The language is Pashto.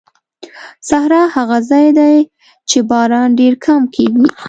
صحرا هغه ځای دی چې باران ډېر کم کېږي.